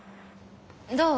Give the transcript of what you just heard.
どう？